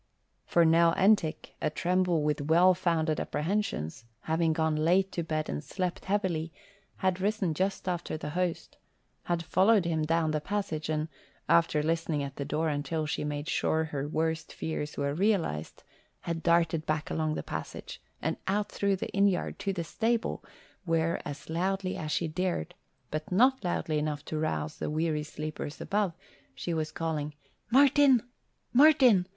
For Nell Entick, a tremble with well founded apprehensions, having gone late to bed and slept heavily, had risen just after the host, had followed him down the passage and, after listening at the door until she made sure her worst fears were realized, had darted back along the passage and out through the inn yard to the stable where as loudly as she dared, but not loudly enough to rouse the weary sleepers above, she was calling, "Martin! Martin!